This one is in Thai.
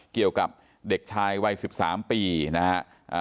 เกี่ยวกับเด็กชายวัย๑๓ปีนะฮะ